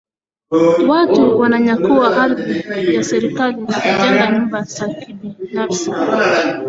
Watu wananyakua ardhi ya serikali na kujenga nyumba za kibinafsi